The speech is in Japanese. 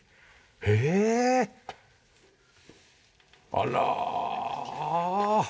あら。